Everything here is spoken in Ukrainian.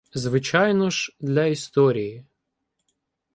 Звичайно ж "для історії".